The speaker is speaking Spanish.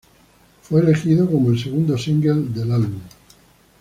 Fue elegido como el segundo single del álbum.